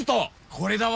これだわ。